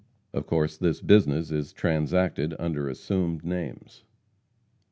Of course this business is transacted under assumed names.